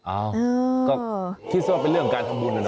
อ้าวก็คิดว่าเป็นเรื่องการทำบุญนะเ